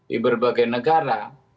di berbagai negara